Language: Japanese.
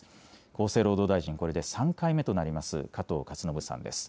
厚生労働大臣、これで３回目となります、加藤勝信さんです。